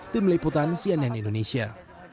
tim liputan cnn indonesia